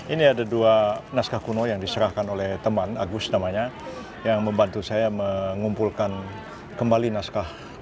ini adalah naskah kuno yang saya ambil dari teman agus yang membantu saya mengumpulkan kembali naskah kuno